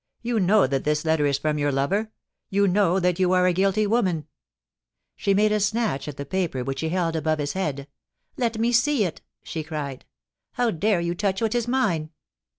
You know that this letter is from your lover. You know that you are a guilty woman !' She made a snatch at the paper which he held above his head. * Let me see it,' she cried. * How dare you touch what is mine